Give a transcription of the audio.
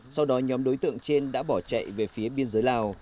sau đó nhóm đối tượng trên đã bỏ chạy về phía biên giới lào